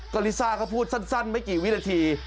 ก็ลิซ่าก็พูดสั้นไม่กี่วินาที